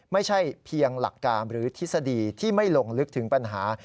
ไม่ใช่เพียงหลักการหรือทฤษฎีที่ไม่ลงลึกถึงปัญหา